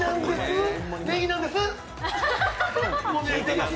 ネギなんです！